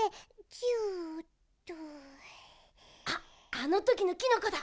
あのときのキノコだ。